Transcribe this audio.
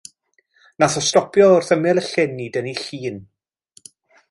Nath o stopio wrth ymyl y llyn i dynnu llun.